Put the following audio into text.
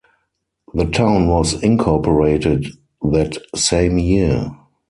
The town was incorporated that same year.